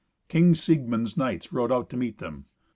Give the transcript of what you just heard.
King Siegmund's knights rode out to meet them.